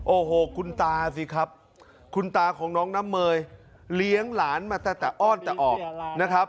โอ้โหคุณตาสิครับคุณตาของน้องน้ำเมยเลี้ยงหลานมาตั้งแต่อ้อนแต่ออกนะครับ